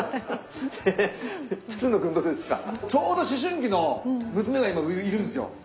ちょうど思春期の娘が今いるんですよ。